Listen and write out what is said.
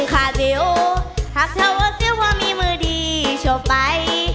ขาดริ้วถ้าเธอเวิร์ดเสียความมีมือดีชบไป